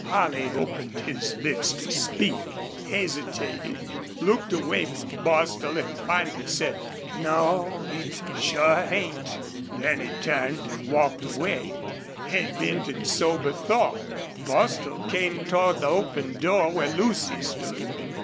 Holley opened his lips to speak, hesitated, looked away from Bostil, and finally said, "No, it sure ain't." Then he turned and walked away, head bent in sober thought. Bostil came toward the open door where Lucy stood.